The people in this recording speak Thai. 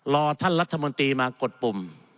รอท่านรัฐมนตรีมากดปุ่ม